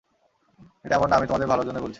এটা এমন না, আমি তোমাদের ভালোর জন্যই বলছি।